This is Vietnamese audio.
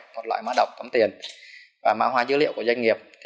một loại má độc tấm tiền và ma hoa dữ liệu của doanh nghiệp